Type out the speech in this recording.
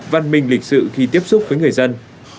văn minh lịch sự khi tiếp xúc với người dân